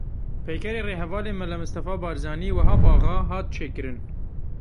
Peykerê rêhevalê Mele Mistefa Barzanî, Wehab Axa hat çêkirin.